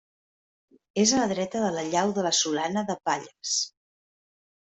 És a la dreta de la llau de la Solana de Palles.